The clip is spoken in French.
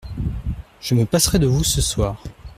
Je me passerai de vous ce soir…